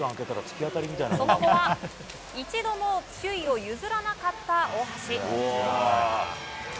その後は一度も首位を譲らなかった大橋。